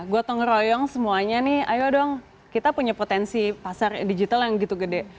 gotong royong semuanya nih ayo dong kita punya potensi pasar digital yang gitu gede